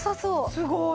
すごい。